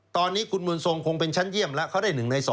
ตอนนี้คุณบุญทรงคงเป็นชั้นเยี่ยมแล้วเขาได้๑ใน๒